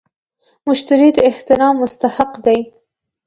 مشتري د احترام مستحق دی.